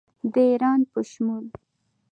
د ایران په شمول